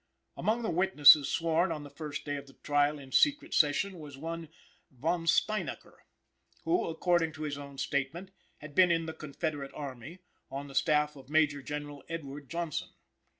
Among the witnesses sworn on the first day of the trial in secret session was one Von Steinacker, who, according to his own statement, had been in the Confederate Army, on the staff of Major General Edward Johnson.